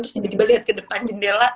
terus nyebelin ke depan jendela